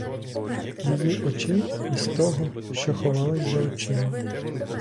З її очей і з того, що ховалось за очима.